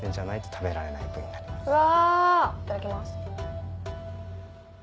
うわいただきます。